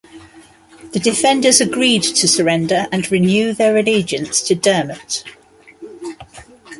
The defenders agreed to surrender and renew their allegiance to Diarmait.